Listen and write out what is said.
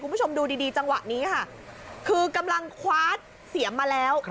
คุณผู้ชมดูดีจังหวะนี้ค่ะคือกำลังคว้าเสียมมาแล้ว